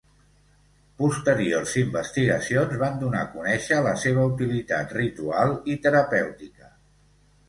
Posteriors investigacions van donar a conèixer la seva utilitat ritual i terapèutica.